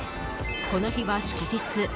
この日は祝日。